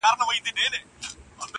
ځاى جوړاوه.